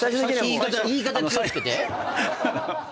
言い方気を付けて。